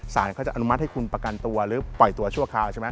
สารเขาจะอนุมัติให้คุณประกันตัวหรือปล่อยตัวชั่วคราวใช่ไหม